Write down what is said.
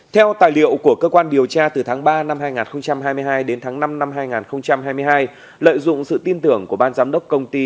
theo tài liệu của cơ quan điều tra từ tháng ba năm hai nghìn hai mươi hai đến tháng năm năm hai nghìn hai mươi hai lợi dụng sự tin tưởng của ban giám đốc công ty